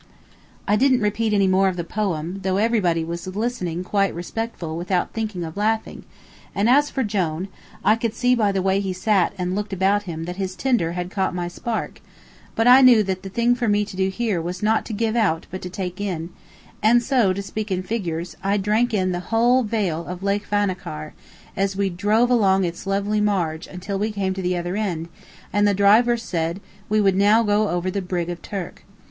'" I didn't repeat any more of the poem, though everybody was listening quite respectful without thinking of laughing, and as for Jone, I could see by the way he sat and looked about him that his tinder had caught my spark; but I knew that the thing for me to do here was not to give out but take in, and so, to speak in figures, I drank in the whole of Lake Vannachar, as we drove along its lovely marge until we came to the other end, and the driver said we would now go over the Brigg of Turk.